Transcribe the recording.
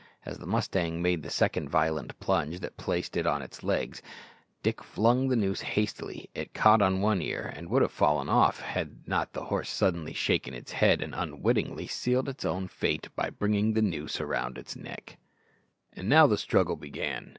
As the mustang made the second violent plunge that placed it on its legs, Dick flung the noose hastily; it caught on one ear, and would have fallen off, had not the horse suddenly shaken its head, and unwittingly sealed its own fate by bringing the noose round its neck. And now the struggle began.